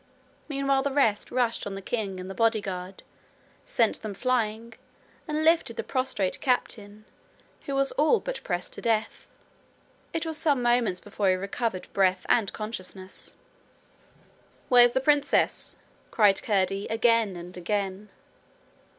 Meanwhile the rest rushed on the king and the bodyguard, sent them flying, and lifted the prostrate captain, who was all but pressed to death. It was some moments before he recovered breath and consciousness. 'Where's the princess?' cried Curdie, again and again.